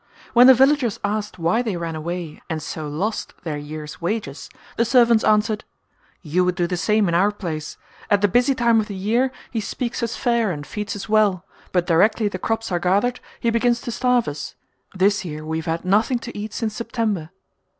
When the villagers asked why they ran away and so lost their year's wages the servants answered. "You would do the same in our place: at the busy time of the year he speaks us fair and feeds us well, but directly the crops are gathered he begins to starve us; this year we have had nothing to eat since September."